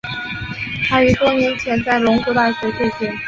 他于多年前在龙谷大学退学。